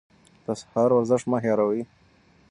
د سهار ورزش مه هېروئ.